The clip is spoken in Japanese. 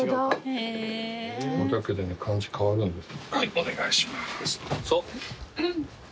お願いします。